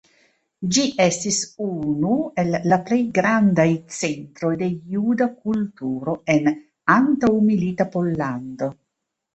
Ĝi estis unu el la plej grandaj centroj de juda kulturo en antaŭmilita Pollando.